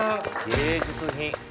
芸術品。